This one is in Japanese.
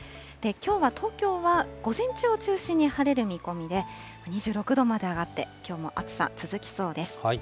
きょうは東京は午前中を中心に晴れる見込みで、２６度まで上がって、きょうも暑さ続きそうです。